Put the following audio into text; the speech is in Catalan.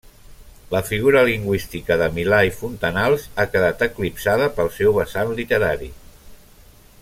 La figura lingüística de Milà i Fontanals ha quedat eclipsada pel seu vessant literari.